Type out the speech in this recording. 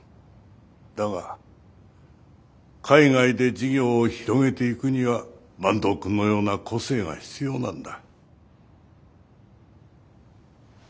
だが海外で事業を広げていくには坂東くんのような個性が必要なんだ。